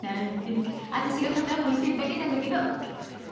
私が片思いしてるだけなんだけど。